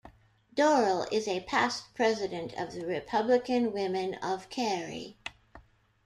Dorrel is a past president of the Republican Women of Cary.